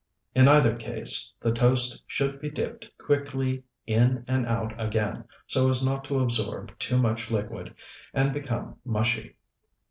In either case the toast should be dipped quickly in and out again so as not to absorb too much liquid and become mushy.